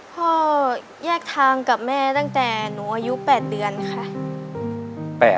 พ่อแยกทางกับแม่ตั้งแต่หนูอายุ๘เดือนค่ะ